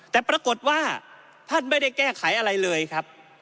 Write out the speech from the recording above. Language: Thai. แต่ปรากฏว่าท่านไม่ได้แก้ไขอะไรเลยครับ